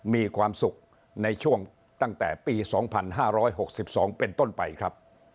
มีความสุขในช่วงตั้งแต่ปี๒๕๖๒เป็นต้นไปครับ